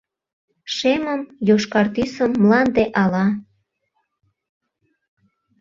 Шемым, йошкар тӱсым Мланде ала